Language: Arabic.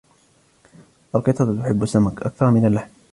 القطط تحب السمك أكثر من اللحم.